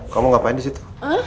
kamu ngapain disitu